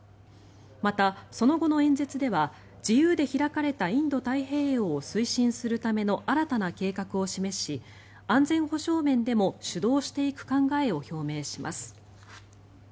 また、その後の演説では自由で開かれたインド太平洋を推進するための新たな計画を示し安全保障面でも主導していく考えを表明します。